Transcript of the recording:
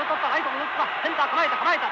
センター構えた構えた。